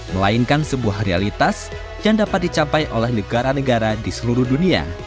melainkan sebuah realitas yang dapat dicapai oleh negara negara di seluruh dunia